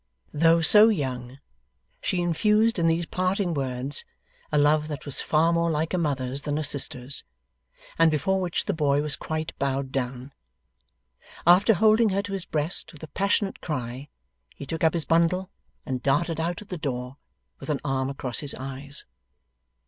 Though so young, she infused in these parting words a love that was far more like a mother's than a sister's, and before which the boy was quite bowed down. After holding her to his breast with a passionate cry, he took up his bundle and darted out at the door, with an arm across his eyes.